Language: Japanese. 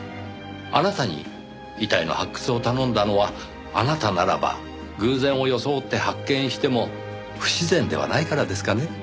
あなたに遺体の発掘を頼んだのはあなたならば偶然を装って発見しても不自然ではないからですかね？